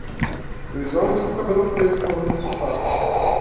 Dois homens com cabelo preto falando no sofá.